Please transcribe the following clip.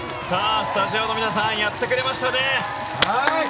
スタジオの皆さんやってくれましたね！